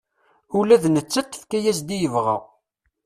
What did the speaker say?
Ula d nettat tefka-yas-d i yebɣa.